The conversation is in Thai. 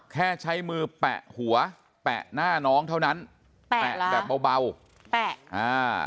แค่ใช้มือแปะหัวแปะหน้าน้องเท่านั้นแปะแบบเบาเบาแปะอ่า